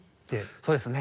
そうですね。